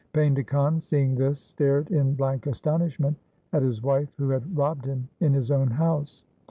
Painda Khan seeing this stared in blank astonishment at his wife who had robbed him in his own house.